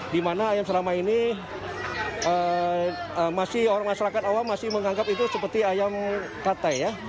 di mana ayam serama ini masyarakat awam masih menganggap itu seperti ayam katai